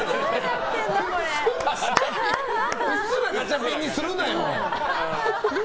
うっすらガチャピンにするなよ！